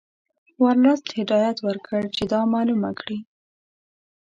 ورلسټ هدایت ورکړ چې دا معلومه کړي.